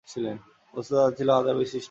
বস্তুত তা ছিল আযাবের বৃষ্টি।